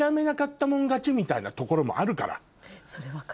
みたいなところもあるから。